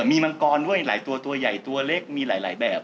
มีมังกรด้วยหลายตัวตัวใหญ่ตัวเล็กมีหลายแบบ